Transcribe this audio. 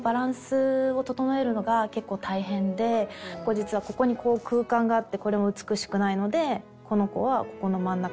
実はここに空間があってこれも美しくないのでこの子はここの真ん中に。